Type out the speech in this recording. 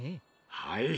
はい。